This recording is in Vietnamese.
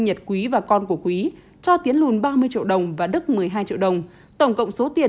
nhật quý và con của quý cho tiến lùn ba mươi triệu đồng và đức một mươi hai triệu đồng tổng cộng số tiền